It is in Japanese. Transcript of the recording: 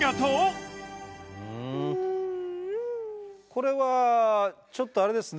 これはちょっとあれですね。